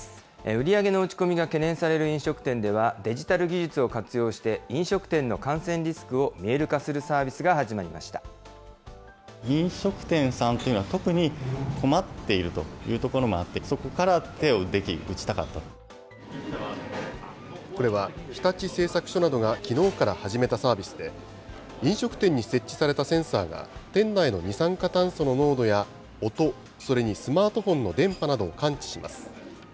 売り上げの落ち込みが懸念される飲食店では、デジタル技術を活用して、飲食店の感染リスクを見える化するサービスが始まりまこれは、日立製作所などがきのうから始めたサービスで、飲食店に設置されたセンサーが、店内の二酸化炭素の濃度や音、それにスマートフォンの電波などを感知します。